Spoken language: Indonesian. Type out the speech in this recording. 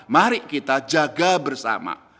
mari kita jaga bersama